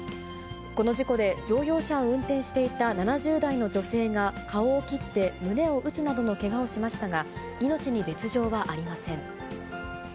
この事故で、乗用車を運転していた７０代の女性が顔を切って胸を打つなどのけがをしましたが、命に別状はありません。